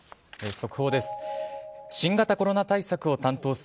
速報です。